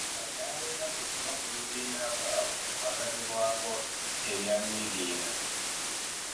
Abakyala be nnaku zino bakola obubiina bwabwe obwakazibwako erya Nnigiina.